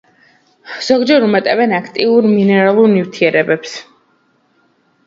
ზოგჯერ უმატებენ აქტიურ მინერალურ ნივთიერებებს.